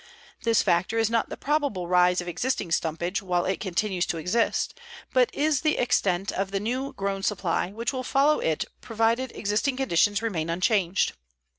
This factor is not the probable rise of existing stumpage while it continues to exist, but is the extent of the new grown supply which will follow it provided existing conditions remain unchanged.